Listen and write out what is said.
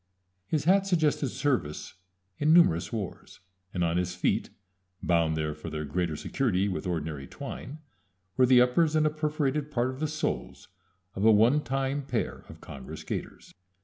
His hat suggested service in numerous wars, and on his feet, bound there for their greater security with ordinary twine, were the uppers and a perforated part of the soles of a one time pair of congress gaiters.